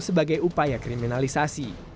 sebagai upaya kriminalisasi